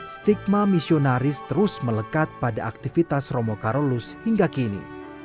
stigma misionaris terus melekat pada aktivitas romo karolus hingga kini